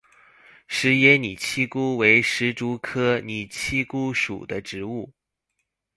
田野拟漆姑为石竹科拟漆姑属的植物。